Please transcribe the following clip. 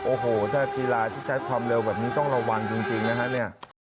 โอ้โหถ้ากีฬาที่ใช้ความเร็วแบบนี้ต้องระวังจริงนะฮะเนี่ย